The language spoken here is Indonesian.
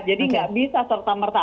jadi tidak bisa serta merta